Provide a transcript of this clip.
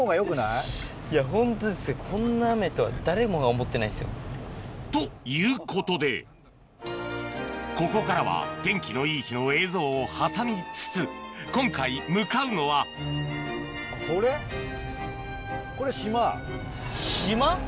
思ってないですよ。ということでここからは天気のいい日の映像を挟みつつ今回向かうのは島？